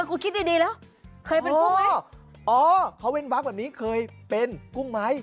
คุณคิดดีดีแล้วเคยเป็นกุ้งไหมอ๋อเขาเว่นวาคแบบนี้เคยเป็นกุ้งไหม